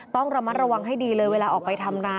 ต้องระมัดระวังให้ดีเลยเวลาออกไปทำนา